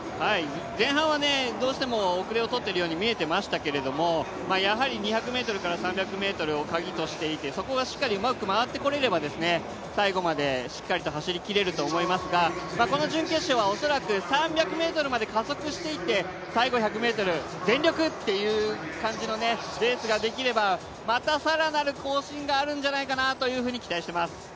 前半はどうしても遅れを取っているように見えていましたけど、やはり２００ｍから３００ｍをカギとしていてそこをうまく回ってこれれば最後までしっかりと走りきれると思いますが、この準決勝は恐らく、恐らく３００ｍまで加速していって最後１００ｍ全力っていう感じのレースができれば、また更なる更新があるんじゃないかと期待しています。